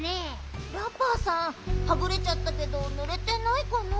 ラッパーさんはぐれちゃったけどぬれてないかな？